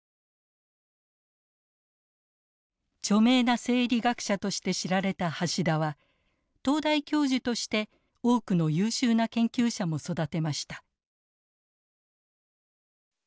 著名な生理学者として知られた橋田は東大教授として多くの優秀な研究者も育てました。